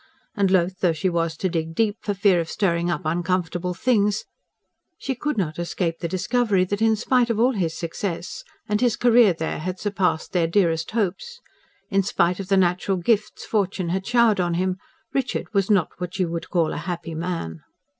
And loath though she was to dig deep, for fear of stirring up uncomfortable things, she could not escape the discovery that, in spite of all his success and his career there had surpassed their dearest hopes in spite of the natural gifts fortune had showered on him, Richard was not what you would call a happy man.